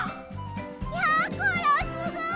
やころすごい！